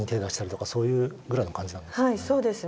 はいそうですね。